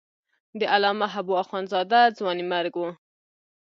د علامه حبو اخند زاده ځوانیمرګ و.